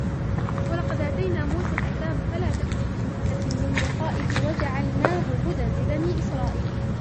وَلَقَدْ آتَيْنَا مُوسَى الْكِتَابَ فَلَا تَكُنْ فِي مِرْيَةٍ مِنْ لِقَائِهِ وَجَعَلْنَاهُ هُدًى لِبَنِي إِسْرَائِيلَ